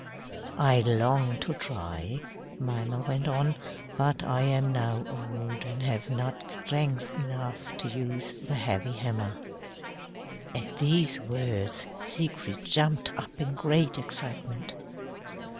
"I long to try," Mimer went on, "but I am now old and have not strength enough to use the heavy hammer." At these words Siegfried jumped up in great excitement.